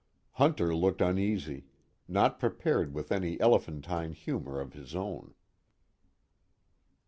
_ Hunter looked uneasy, not prepared with any elephantine humor of his own.